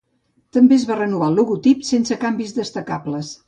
També es va renovar el logotip, sense canvis destacables.